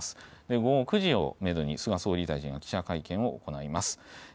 午後９時をメドに、菅総理大臣が記者会見を行います。